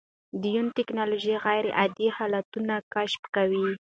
د یون ټېکنالوژي غیرعادي حالتونه کشف کوي.